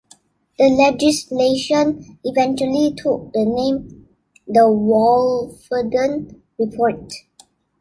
The legislation eventually took the name The Wolfenden Report.